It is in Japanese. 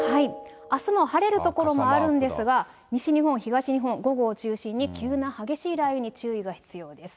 あすも晴れる所があるんですが、西日本、東日本、午後を中心に急な激しい雷雨に注意が必要です。